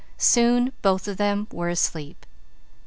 Soon both of them were asleep.